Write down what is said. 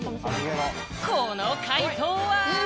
この快答は？